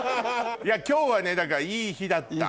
今日はねだからいい日だった。